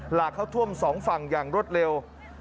หลากเข้าท่วมสองฝั่งอย่างรวดเร็ว